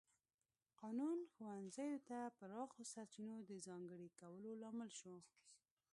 قانون ښوونځیو ته پراخو سرچینو د ځانګړي کولو لامل شو.